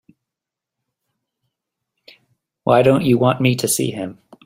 Why don't you want me to see him?